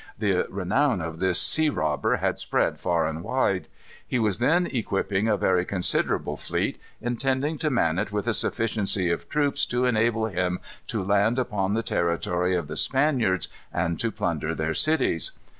The renown of this sea robber had spread far and wide. He was then equipping a very considerable fleet, intending to man it with a sufficiency of troops to enable him to land upon the territory of the Spaniards and to plunder their cities.